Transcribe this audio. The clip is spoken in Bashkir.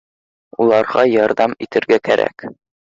Уларға ярҙам итергә кәрәк